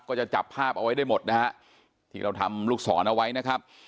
ก็จะจับภาพเอาไว้ได้หมดนะฮะที่เราทำลูกศรเอาไว้นะครับ